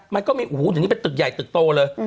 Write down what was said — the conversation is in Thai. มันก็มีโอ้โหเดี๋ยวนี้เป็นตึกใหญ่ตึกโตเลย